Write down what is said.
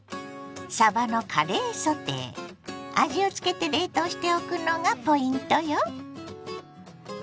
味をつけて冷凍しておくのがポイントよ。